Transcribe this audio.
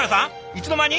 いつの間に？